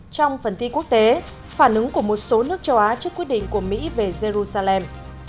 trong phần tin quốc tế phản ứng của một số nước châu á trước quyết định của mỹ về jerusalem